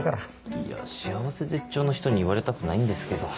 いや幸せ絶頂の人に言われたくないんですけど。